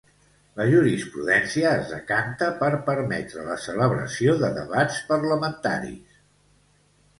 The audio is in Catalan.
La jurisprudència es decanta per permetre la celebració de debats parlamentaris.